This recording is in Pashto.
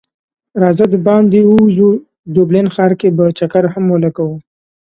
راځه د باندی وځو ډبلین ښار کی به چکر هم ولګو